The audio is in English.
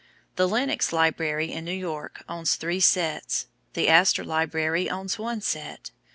The Lenox Library in New York owns three sets. The Astor Library owns one set.